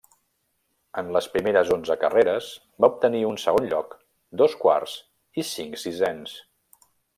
En les primeres onze carreres, va obtenir un segon lloc, dos quarts i cinc sisens.